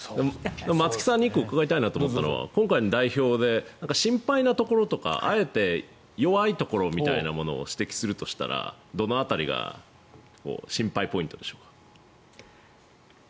松木さんに１個伺いたいなと思ったのは今回の代表で心配なところとかあえて弱いところみたいなものを指摘するとしたら、どの辺りが心配ポイントでしょうか。